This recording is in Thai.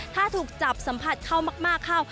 ถ้าถูกจับสัมผัสเข้ามากเข้า